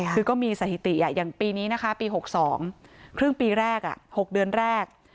คือก็มีสถิติอย่างปีนี้นะคะปี๖๒ครึ่งปีแรก๖เดือนแรก